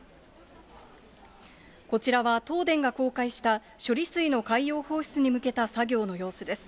こちらは東電が公開した、処理水の海洋放出に向けた作業の様子です。